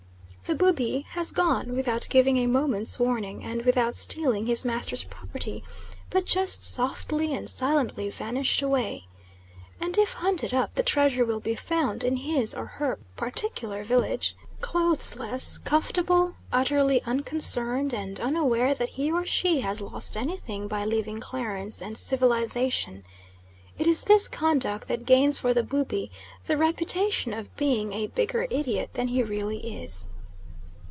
The Bubi has gone, without giving a moment's warning, and without stealing his master's property, but just softly and silently vanished away. And if hunted up the treasure will be found in his or her particular village clothes less, comfortable, utterly unconcerned, and unaware that he or she has lost anything by leaving Clarence and Civilisation. It is this conduct that gains for the Bubi the reputation of being a bigger idiot than he really is.